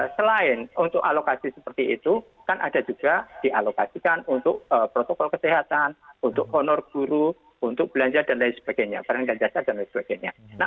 selain untuk alokasi seperti itu kan ada juga dialokasikan untuk protokol kesehatan untuk honor guru untuk belanja dan lain sebagainya